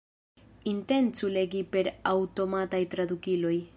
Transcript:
Intencu legi per aŭtomataj tradukiloj.